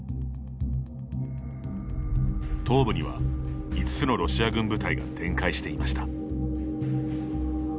東部には５つのロシア軍部隊が展開していました。